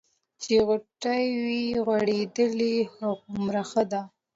چې غوټۍ وي غوړېدلې هومره ښه ده.